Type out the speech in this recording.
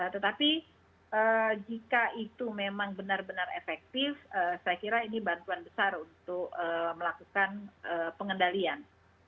tetapi jika itu memang benar benar efektif saya kira ini bantuan besar untuk melakukan pengendalian